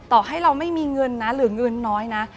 ต่อให้เราไม่มีเงินนะหรือเงินน้อยนะ